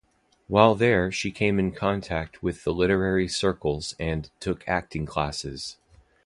While there she came in contact with the literary circles and took acting classes.